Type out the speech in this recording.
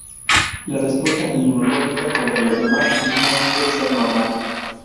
La respuesta inmunológica contra los demás antígenos suele ser normal.